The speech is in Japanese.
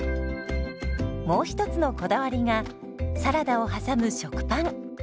もう一つのこだわりがサラダを挟む食パン。